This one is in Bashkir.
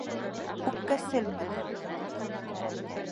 Үпкәселмен.